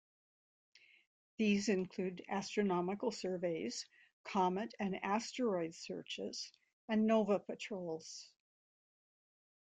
These include astronomical surveys, comet and asteroid searches, and nova patrols.